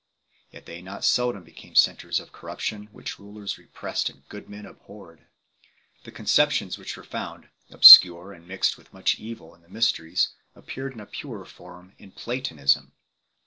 Yet they not seldom became centres of corruption which rulers repressed and good men abhorred 1 . The conceptions which were found, obscure and mixed with much evil, in the mysteries, appeared in a purer form in Platonism.